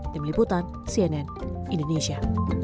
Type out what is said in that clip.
demi liputan cnn indonesia